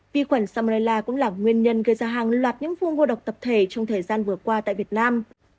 vi khuẩn salmonella cũng là nguyên nhân gây ra hàng loạt những vùng ngộ độc tập thể trong thời gian vừa qua tại việt nam